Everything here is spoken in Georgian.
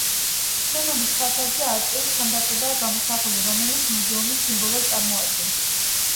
შენობის ფასადზე არწივის ქანდაკებაა გამოსახული, რომელიც მუზეუმის სიმბოლოს წარმოადგენს.